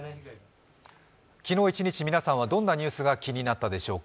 昨日一日、皆さんはどんなニュースが気になったでしょうか。